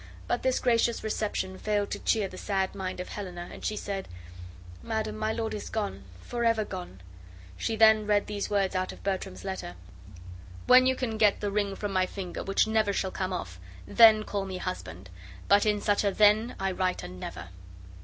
But this gracious reception failed to cheer the sad mind of Helena, and she said: "Madam, my lord is gone, forever gone." She then read these words out of Bertram's letter: "When you can get the ring from my finger, which never shall come off, then call me husband, but in such a Then I write a Never."